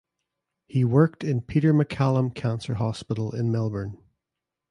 He worked in Peter Maccallum Cancer Hospital in Melbourne.